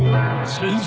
先生？